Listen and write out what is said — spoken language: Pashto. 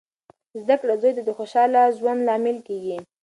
زده کړه زوی ته د خوشخاله ژوند لامل کیږي.